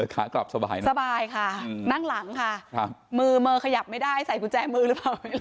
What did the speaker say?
ขากลับสบายนะสบายค่ะนั่งหลังค่ะมือมือขยับไม่ได้ใส่กุญแจมือหรือเปล่า